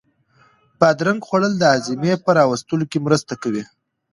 بادرنگ خوړل د هاضمې په را وستلو کې مرسته کوي.